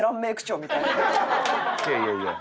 いやいやいや。